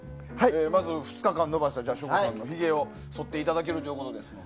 まず２日間伸ばした省吾さんのひげをそっていただけるということです。